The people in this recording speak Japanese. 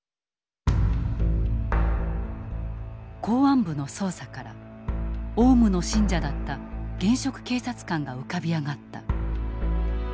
公安部の捜査からオウムの信者だった現職警察官が浮かび上がった。